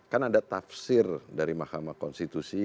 kan ada tafsir dari mahkamah konstitusi